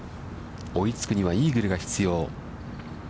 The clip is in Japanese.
追いつくには、イーグルが必要。